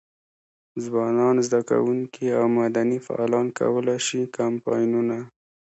ځوانان، زده کوونکي او مدني فعالان کولای شي کمپاینونه.